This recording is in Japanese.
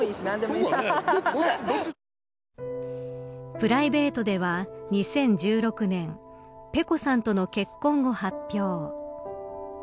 プライベートでは２０１６年ｐｅｃｏさんとの結婚を発表。